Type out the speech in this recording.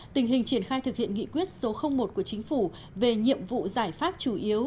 tình hình triển khai thực hiện nghị quyết số một của chính phủ về nhiệm vụ giải pháp chủ yếu